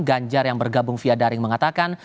ganjar yang bergabung via daring mengatakan